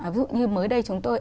ví dụ như mới đây chúng tôi